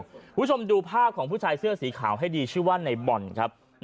คุณผู้ชมดูภาพของผู้ชายเสื้อสีขาวให้ดีชื่อว่าในบ่อนครับ